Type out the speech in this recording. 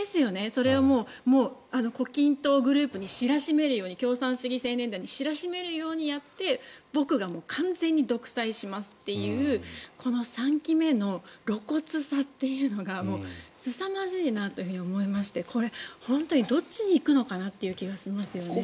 それを胡錦涛グループに知らしめるように共産主義青年団に知らしめるようにやって僕が完全に独裁しますというこの３期目の露骨さというのがすさまじいなと思いましてこれ、本当にどっちに行くのかなという気がしますね。